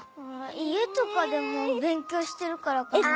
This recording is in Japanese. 家とかでも勉強してるからかなぁ？